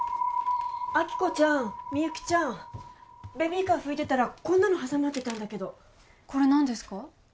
亜希子ちゃんみゆきちゃんベビーカー拭いてたらこんなの挟まってたんだけどこれ何ですか？